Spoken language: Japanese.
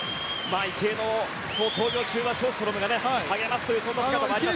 池江の闘病中はショーストロムが励ますというそんな姿もありました。